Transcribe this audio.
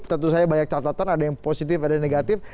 tentu saja banyak catatan ada yang positif ada yang negatif